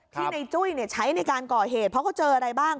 ที่ในจุ้ยใช้ในการก่อเหตุเพราะเขาเจออะไรบ้าง